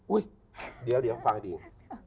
อุ้ยเดี๋ยวฟังอีกอีก